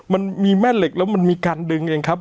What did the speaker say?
มันมีแม่เหล็กแล้วมันมีการดึงเองครับ